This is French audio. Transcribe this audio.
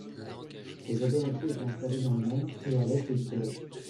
Les Abénaquis étaient installés dans le Maine et l'est du Québec.